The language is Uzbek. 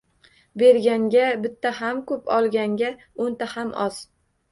Berganga bitta ham ko‘p, olganga o‘nta ham oz